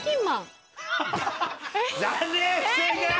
残念不正解！